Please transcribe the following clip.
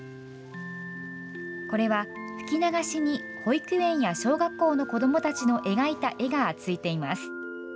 これは、吹き流しに保育園や小学校の子どもたちの描いた絵がついています。